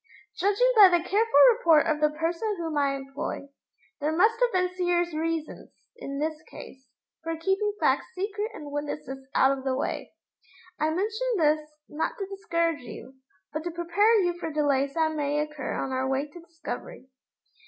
Judging by the careful report of the person whom I employ, there must have been serious reasons, in this case, for keeping facts secret and witnesses out of the way. I mention this, not to discourage you, but to prepare you for delays that may occur on our way to discovery.